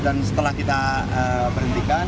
dan setelah kita berhentikan